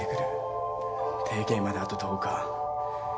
提携まであと１０日。